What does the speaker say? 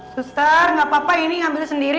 sustar gapapa ini ambil sendiri